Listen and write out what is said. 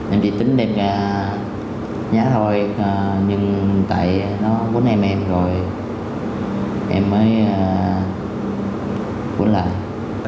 em chỉ tính đem ra nhá thôi nhưng tại nó quấn em em rồi em mới quấn lại